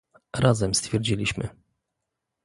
Razem stwierdziliśmy